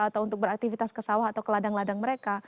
atau untuk beraktivitas kesawah atau ke ladang ladang mereka